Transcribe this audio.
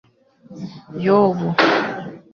yobu ,